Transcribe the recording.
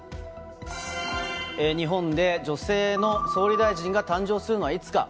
日本で女性の総理大臣が誕生するのはいつか。